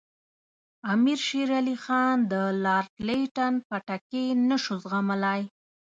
امیر شېر علي خان د لارډ لیټن پټکې نه شو زغملای.